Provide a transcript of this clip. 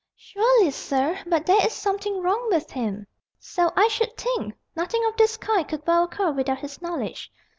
"Surely, sir, but there is something wrong with him." "So I should think! Nothing of this kind could well occur without his knowledge.